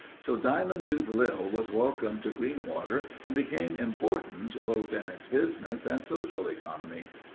So Diamond Tooth Lil was welcomed to Greenwater and became important both in its business and social economy.